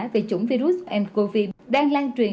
về chủng virus ncov đang lan truyền